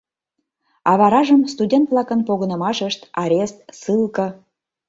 А варажым — студент-влакын погынымашышт, арест, ссылке.